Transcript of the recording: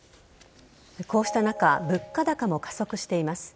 こうした中物価高も加速しています。